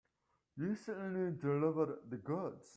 You certainly delivered the goods.